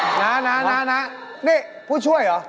น้านะนี่ผู้ช่วยเหรอ